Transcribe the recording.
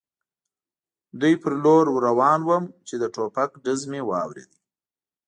دوی پر لور ور روان ووم، چې د ټوپک ډز مې واورېد.